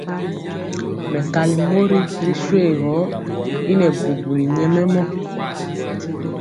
Mɛkali mori ri shuegɔ y nɛɛbubuli nyɛmemɔ.